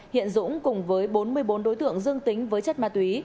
hiện dũng cùng với bốn mươi bốn đối tượng dương tính với chất ma túy